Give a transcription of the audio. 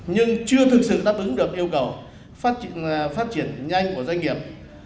nhưng chưa thực sự đáp ứng được yêu cầu phát triển nhanh của doanh nghiệp